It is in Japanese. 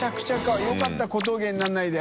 錣いよかった小峠にならないで。